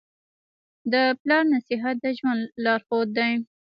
د پلار نصیحت د ژوند لارښود دی.